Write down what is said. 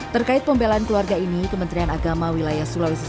terkait pembelahan keluarga ini kementerian agama wilayah sulawesi selatan